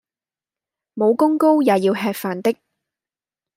武功高也要吃飯的